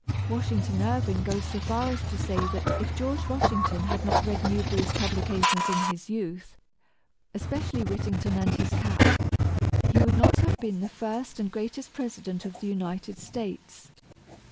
Washington Irving goes so far as to say that if George Washington had not read Newberry's publications in his youth, especially "Whittington and his Cat," he would not have been the first and greatest President of the United States!